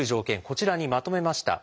こちらにまとめました。